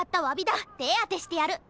てあてしてやる！